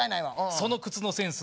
その靴のセンス